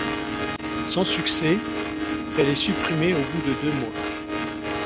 Sans succès, elle est supprimée au bout de deux mois.